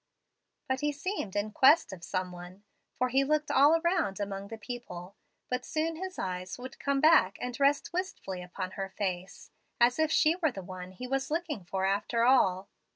But he seemed in quest of some one, for he would look all around among the people; but soon his eyes would come back and rest wistfully upon her face, as if she were the one he was looking for after all.